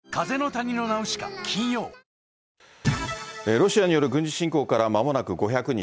ロシアによる軍事侵攻からまもなく５００日。